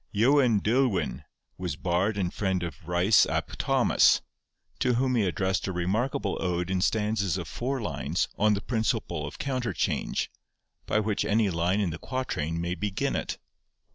Ieuan Deulwyn was bard and friend of Ryce ap Thomas, to whom he addressed a remarkable ode in stanzas of four lines on the principle of counter change, by which any line in the quatrain may begin it.